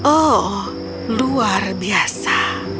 oh luar biasa